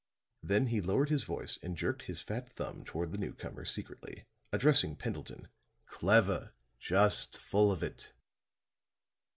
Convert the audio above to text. Then he lowered his voice and jerked his fat thumb toward the newcomer secretly, addressing Pendleton: "Clever! Just full of it."